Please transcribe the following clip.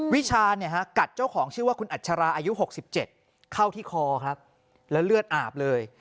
วิชากัดเจ้าของชื่อว่าคุณอัชราอายุ๖๗เข้าที่คอครับแล้วเลือดอาบเลย